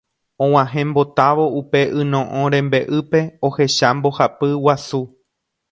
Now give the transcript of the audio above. Og̃uahẽmbotávo upe yno'õ rembe'ýpe ohecha mbohapy guasu.